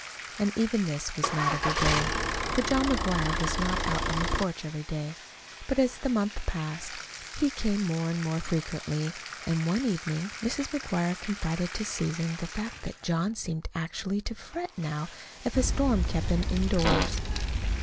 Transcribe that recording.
And even this was not every day, for John McGuire was not out on the porch every day. But as the month passed, he came more and more frequently, and one evening Mrs. McGuire confided to Susan the fact that John seemed actually to fret now if a storm kept him indoors.